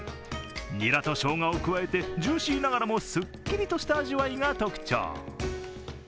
ニラとしょうがを加えて、ジューシーながらもスッキリとした味わいが特徴。